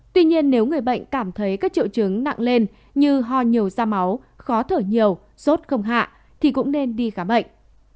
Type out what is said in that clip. tuy nhiên nếu người bệnh cảm thấy các triệu chứng nặng lên như ho nhiều da máu khó thở nhiều sốt không hạ thì cũng nên đi khám bệnh